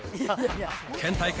県大会